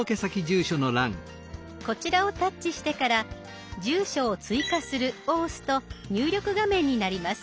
こちらをタッチしてから「住所を追加する」を押すと入力画面になります。